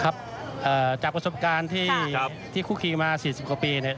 จากประสบการณ์ที่คุกคีมา๔๐กว่าปี